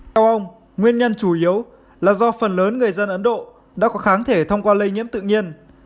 theo ông nguyên nhân chủ yếu là do phần lớn người dân ấn độ đã có kháng thể thông qua lây nhiễm tự nhiên